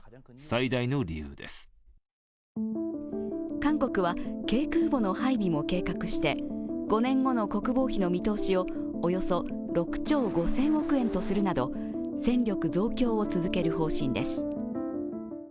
韓国は、軽空母の配備も計画して５年後の国防費の見通しをおよそ６兆５０００億円とするなど戦力増強を続ける方針です。